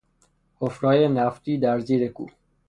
حفرههای نفتی در زیر کوه